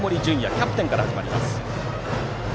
キャプテンから始まります。